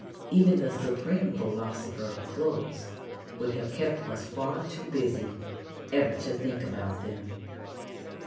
Even the supreme philosopher of clothes would have kept us far too busy ever to think about them.